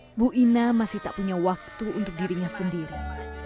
ibu ina masih tak punya waktu untuk dirinya sendiri